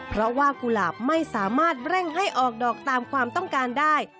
เพราะว่ากุหลาบไม่สามารถเร่งให้ออกดอกตามความต้องการได้